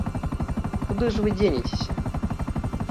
Куды ж вы дзенецеся?